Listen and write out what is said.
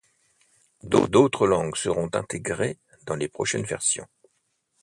D'autres langues seront intégrées dans les prochaines versions.